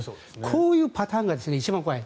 こういうパターンが一番怖い。